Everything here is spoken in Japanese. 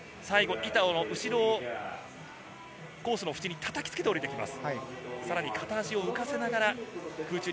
板の後ろをコースの縁にたたきつけて下りてきます。